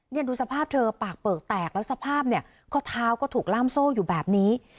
ดูสภาพเธอปากเปลือกแตกแล้วสภาพเนี่ยข้อเท้าก็ถูกล่ามโซ่อยู่แบบนี้